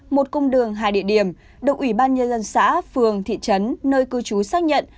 một cung đường hai địa điểm đồng ubnd xã phường thị trấn nơi cư trú xác nhận